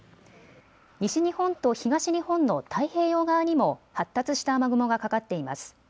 西日本と東日本の太平洋側にも発達した雨雲がかかっています。